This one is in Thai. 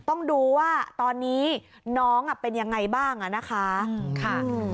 ต้องดูว่าตอนนี้น้องเป็นยังไงบ้างอ่ะนะคะ